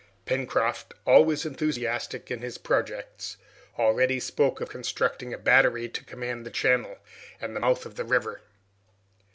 Pencroft, always enthusiastic in his projects, already spoke of constructing a battery to command the channel and the mouth of the river.